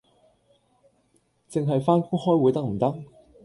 淨係返工開會得唔得？